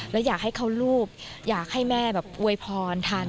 แล้วอยากให้เขารูปอยากให้แม่แบบอวยพรทัน